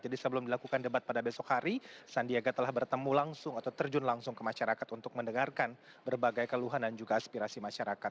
jadi sebelum dilakukan debat pada besok hari sandiaga telah bertemu langsung atau terjun langsung ke masyarakat untuk mendengarkan berbagai keluhan dan juga aspirasi masyarakat